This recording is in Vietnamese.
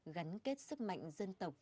gắn kết sức mạnh dân tộc